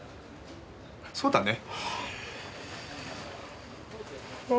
そうだね。